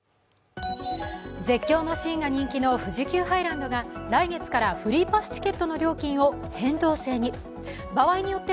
絶叫マシンが人気の富士急ハイランドが来月からフリーパスチケットの料金を変動制に。